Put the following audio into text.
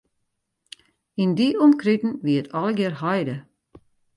Yn dy omkriten wie it allegear heide.